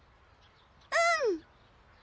うん！